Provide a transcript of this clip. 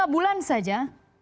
lima bulan saja